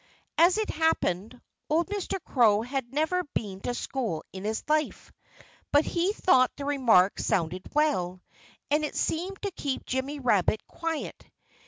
As it happened, old Mr. Crow had never been to school in his life. But he thought the remark sounded well. And it seemed to keep Jimmy Rabbit quiet.